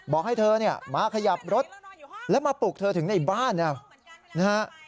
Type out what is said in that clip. บอกให้เธอมาขยับรถและมาปลูกเธอถึงในบ้าน